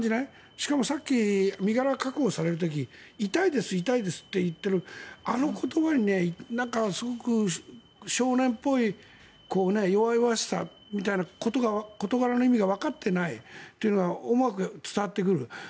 しかもさっき身柄を確保されるとき痛いです、痛いですと言っているあの言葉になんかすごく、少年っぽい弱々しさみたいなことが事柄の意味がわかっていないことが伝わってくる。